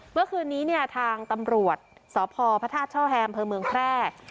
เมื่อคืนนี้เนี่ยทางตำรวจสพพระธาตุช่อแฮมเภอเมืองแพร่